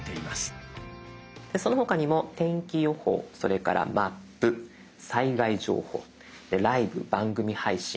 その他にも天気予報それからマップ災害情報ライブ・番組配信